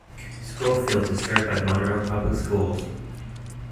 Scofield is served by Monroe Public Schools.